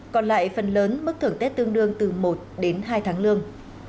còn lại phần lớn mức thưởng tết tương đương từ một đến hai tháng lương